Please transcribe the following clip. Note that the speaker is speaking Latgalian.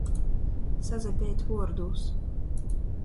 Sasapeit vuordūs.